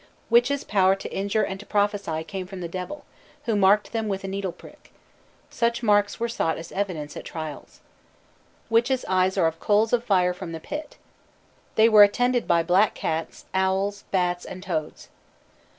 Witches' power to injure and to prophesy came from the Devil, who marked them with a needle prick. Such marks were sought as evidence at trials. "Witches' eyes are coals of fire from the pit." They were attended by black cats, owls, bats, and toads.